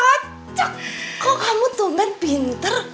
kok kamu tuh man pinter